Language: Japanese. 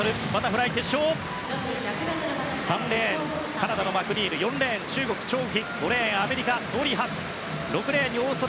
カナダのマクニール４レーン、中国のチョウ・ウヒ５レーン、アメリカトーリー・ハスク。